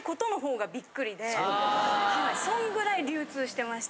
そんぐらい流通してました。